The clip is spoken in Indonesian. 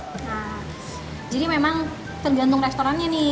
nah jadi memang tergantung restorannya nih